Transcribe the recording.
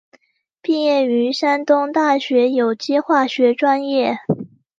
毕业于山东大学有机化学专业。